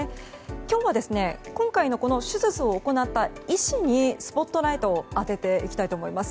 今日は今回の手術を行った医師にスポットライトを当てていきたいと思います。